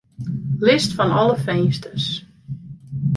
List fan alle finsters.